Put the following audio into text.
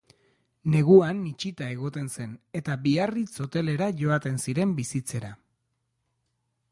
Neguan itxita egoten zen eta Biarritz Hotelera joaten ziren bizitzera.